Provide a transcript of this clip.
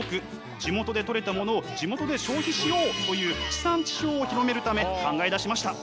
地元でとれたものを地元で消費しよう！という地産地消を広めるため考え出しました。